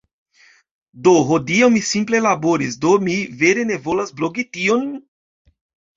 Do hodiaŭ, mi simple laboris, Do mi vere ne volas blogi tion...